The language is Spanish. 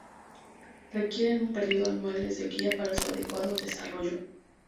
Requieren un período anual de sequía para su adecuado desarrollo.